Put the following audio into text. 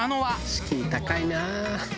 敷居高いな。